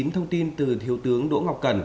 thông tin từ thiếu tướng đỗ ngọc cẩn